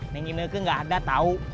neng ineke gak ada tau